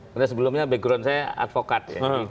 karena sebelumnya background saya advokat